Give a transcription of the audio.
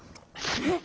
えっ？